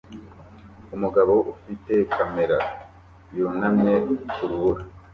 Umugabo ufite kamera yunamye kurubura